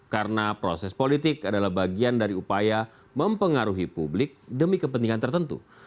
karena proses politik adalah bagian dari upaya mempengaruhi publik demi kepentingan tertentu